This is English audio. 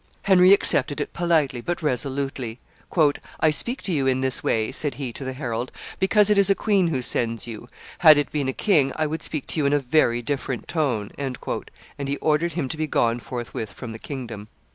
Henry accepted it politely, but resolutely. "I speak to you in this way," said he to the herald, "because it is a queen who sends you; had it been a king, I would speak to you in a very different tone;" and he ordered him to be gone forthwith from the kingdom.